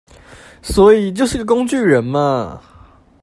所以就是個工具人嘛